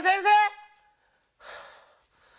はあ。